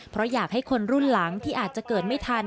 เพราะอยากให้คนรุ่นหลังที่อาจจะเกิดไม่ทัน